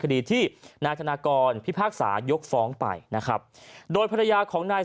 คดีที่นายธนากรพิพากษายกฟ้องไปนะครับโดยภรรยาของนาย